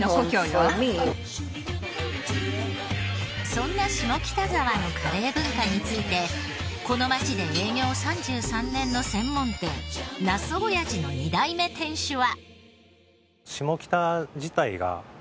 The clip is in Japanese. そんな下北沢のカレー文化についてこの街で営業３３年の専門店茄子おやじの２代目店主は。